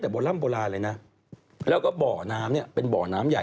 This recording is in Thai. จิ้มเลยเจอคนนี้เอาคนนี้